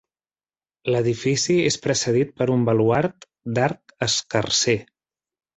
L'edifici és precedit per un baluard d'arc escarser.